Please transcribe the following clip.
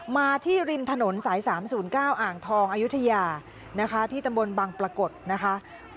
มาที่ริมถนนสาย๓๐๙อ่างทองอายุทยานะคะที่ตำบลบังปรากฏนะคะ